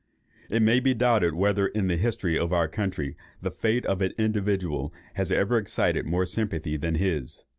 It may be doubted whether in the history of our country the fate of an individual has ever excited more sympathy than his.